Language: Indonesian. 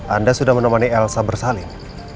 anda sudah menemani elsa bersalin